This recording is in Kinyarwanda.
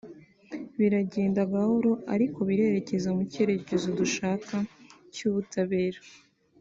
biragenda gahoro ariko birerekeza mu cyerekezo dushaka cy’ubutabera